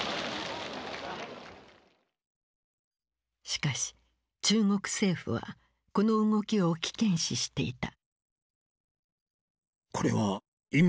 しかし中国政府はこの動きを危険視していた。